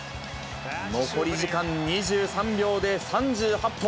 残り時間２３秒で３８本。